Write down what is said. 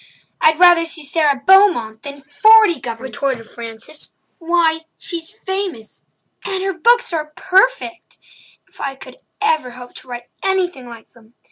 "I'd rather see Sara Beaumont than forty governors," retorted Frances. "Why, she's famous—and her books are perfect! If I could ever hope to write anything like them!